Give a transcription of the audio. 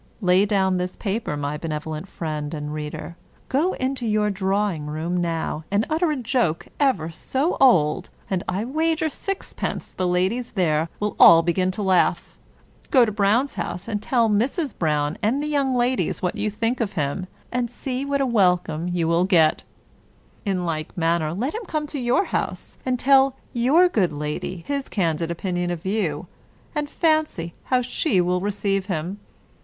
Lay down this paper, my benevolent friend and reader, go into your drawing room now, and utter a joke ever so old, and I wager sixpence the ladies there will all begin to laugh. Go to Brown's house, and tell Mrs. Brown and the young ladies what you think of him, and see what a welcome you 220 William Makepeace Thackeray will get ! In like manner, let him come to your house, and tell your good lady his candid opinion of you, and fancy how she will receive him